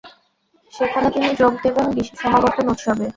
সেখানে তিনি যোগ দেবেন বিশেষ সমাবর্তন উৎসবে।